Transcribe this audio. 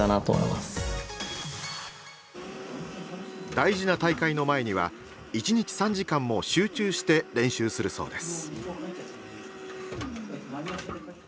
大事な大会の前には一日３時間も集中して練習するそうです。